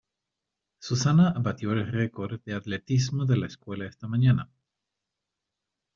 Susana batió el récord de atletismo de la escuela esta mañana.